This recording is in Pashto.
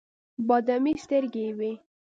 بادامي سترګې یې وې.